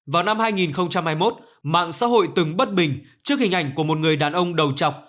vào năm hai nghìn hai mươi một mạng xã hội từng bất bình trước hình ảnh của một người đàn ông đầu chọc